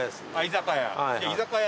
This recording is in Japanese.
居酒屋？